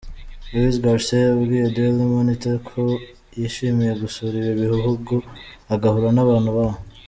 Luis García yabwiye Daily Monitor ko yishimiye gusura ibi bihugu, agahura n’abantu baho.